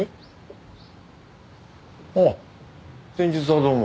あっ先日はどうも。